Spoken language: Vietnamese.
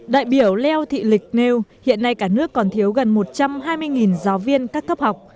đại biểu leo thị lịch nêu hiện nay cả nước còn thiếu gần một trăm hai mươi giáo viên các cấp học